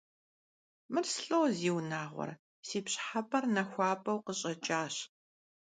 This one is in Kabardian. Mır slh'o, ziunağuere, si pş'ıhep'er naxuap'eu khış'eç'aş.